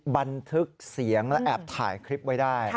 บันทึกเสียงและแอบถ่ายคลิปไว้ได้